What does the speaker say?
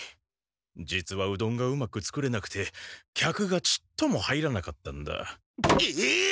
実はうどんがうまく作れなくて客がちっとも入らなかったんだ。え！？